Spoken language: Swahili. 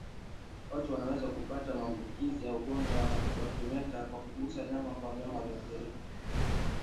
Watu wanaweza kupata maambukizi ya ugonjwa wa kimeta kwa kugusa nyama ya wanyama walioathirika